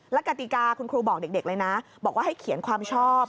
และกติกาคุณครูบอกเด็กเลยนะบอกว่าให้เขียนความชอบ